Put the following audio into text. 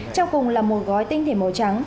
trong cùng là một gói tinh thể màu trắng